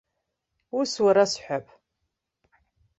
Ус уара сҳәап?!